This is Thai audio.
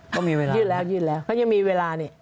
ก็มีเวลานะครับค่ะยื่นแล้วก็ยังมีเวลานี่